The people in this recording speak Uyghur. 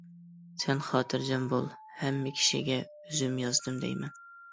سەن خاتىرجەم بول ھەممە كىشىگە ئۆزۈم يازدىم دەيمەن.